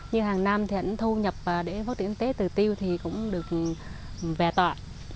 như hàng nam thì hẳn thu nhập để phát triển nhân tế từ tiêu thì cũng được vẻ tọa